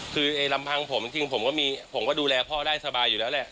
คือลำพังผมจริงผมก็มีผมก็ดูแลพ่อได้สบายอยู่แล้วแหละ